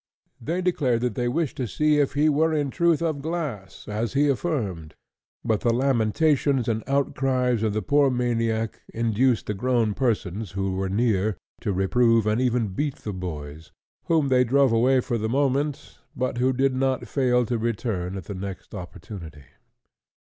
They declared that they wished to see if he were in truth of glass, as he affirmed; but the lamentations and outcries of the poor maniac induced the grown persons who were near to reprove and even beat the boys, whom they drove away for the moment, but who did not fail to return at the next opportunity.